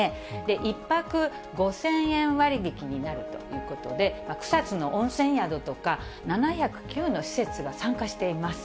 １泊５０００円割引になるということで、草津の温泉宿とか、７０９の施設が参加しています。